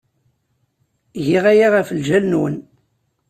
Giɣ aya ɣef lǧal-nwen.